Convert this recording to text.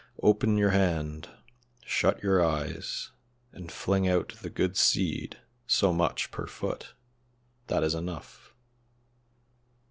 "Open your hand, shut your eyes, and fling out the good seed so much per foot that is enough."